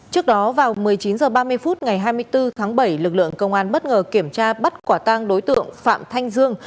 trước đó vào một mươi chín h ba mươi phút ngày hai mươi bốn tháng bảy lực lượng công an bất ngờ kiểm tra bắt quả tang đối tượng phạm thanh dương